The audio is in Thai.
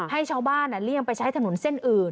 ให้ชาวบ้านเลี่ยงไปใช้ถนนเส้นอื่น